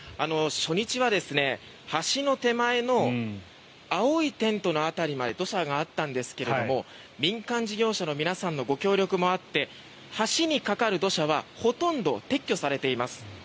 初日は橋の手前の青いテントの辺りまで土砂があったんですが民間事業者の皆さんのご協力もあって橋にかかる土砂はほとんど撤去されています。